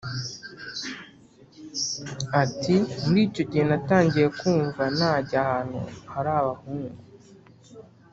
ati “muri icyo gihe natangiye kumva najya ahantu hari abahungu